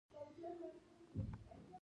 هوګو یو مشهور سوداګر و سمه بڼه ولیکئ.